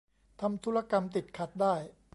ทำธุรกรรมติดขัดได้